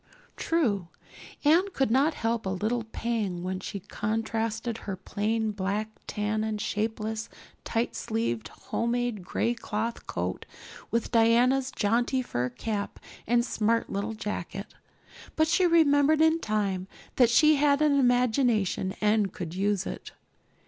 True, Anne could not help a little pang when she contrasted her plain black tam and shapeless, tight sleeved, homemade gray cloth coat with Diana's jaunty fur cap and smart little jacket. But she remembered in time that she had an imagination and could use it.